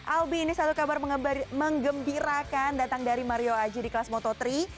albi ini satu kabar mengembirakan datang dari mario aji di kelas moto tiga